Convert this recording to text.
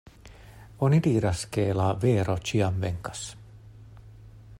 Oni diras, ke la vero ĉiam venkas.